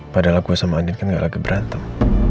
padahal gue sama andien kan gak lagi berantem